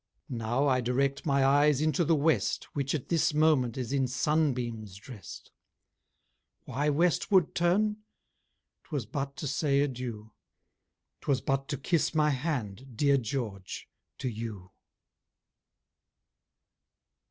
Now I direct my eyes into the west, Which at this moment is in sunbeams drest: Why westward turn? 'Twas but to say adieu! 'Twas but to kiss my hand, dear George, to you!